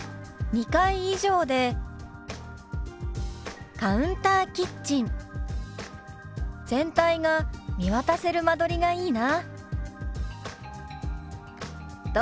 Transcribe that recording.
「２階以上でカウンターキッチン全体が見渡せる間取りがいいな」。